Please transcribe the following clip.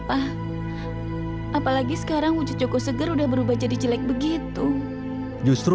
papa memintamu menikah dengan joko seger